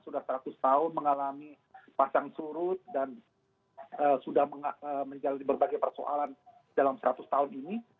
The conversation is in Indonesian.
sudah seratus tahun mengalami pasang surut dan sudah menjalani berbagai persoalan dalam seratus tahun ini